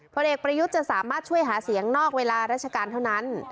เด็กประยุทธ์จะสามารถช่วยหาเสียงนอกเวลาราชการเท่านั้น